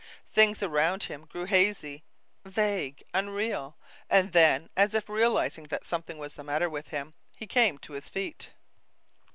Things around him grew hazy, vague, unreal, and then, as if realizing that something was the matter with him, he came to his feet.